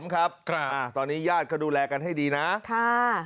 ครับตอนนี้ญาติก็ดูแลกันให้ดีนะค่ะ